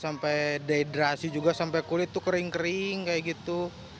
sampai dehidrasi juga sampai kulit tuh kering kering kayak gitu